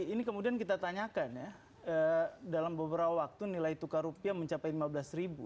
ini kemudian kita tanyakan ya dalam beberapa waktu nilai tukar rupiah mencapai lima belas ribu